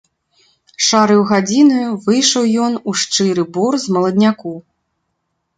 Шараю гадзінаю выйшаў ён у шчыры бор з маладняку.